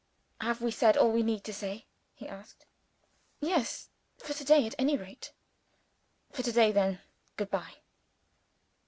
"Have we said all we need say?" he asked. "Yes for to day, at any rate." "For to day, then good bye."